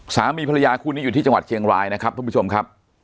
สามีภรรยาคู่นี้อยู่ที่จังหวัดเชียงรายนะครับท่านผู้ชมครับ